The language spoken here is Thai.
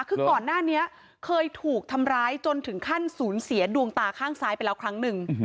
คือก่อนหน้านี้เคยถูกทำร้ายจนถึงขั้นสูญเสียดวงตาข้างซ้ายไปแล้วครั้งหนึ่ง